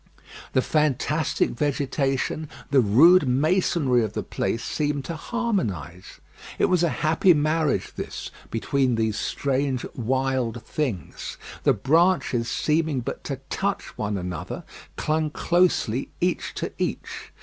The fantastic vegetation, the rude masonry of the place seemed to harmonise. It was a happy marriage this, between these strange wild things. The branches seeming but to touch one another clung closely each to each.